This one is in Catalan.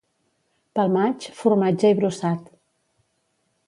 Pel maig, formatge i brossat.